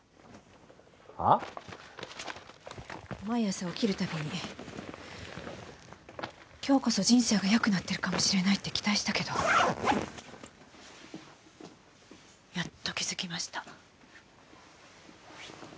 毎朝起きるたびに今日こそ人生が良くなってるかもしれないって期待したけどやっと気づきました。